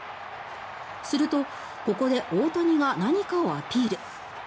するとここで大谷が何かをアピール。